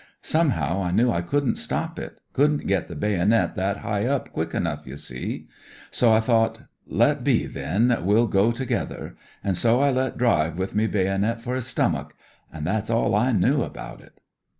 Some how I knew I couldn't stop it — couldn't get the baynit that high up quick enough, ye see. So I thought, ' Let be, then, we'll go together.' An' so I let drive wi' me baynit for his stomach. An' that's all I knew about it."